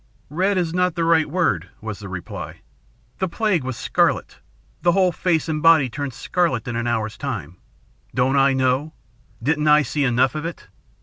"Red is not the right word," was the reply. "The plague was scarlet. The whole face and body turned scarlet in an hour's time. Don't I know? Didn't I see enough of it?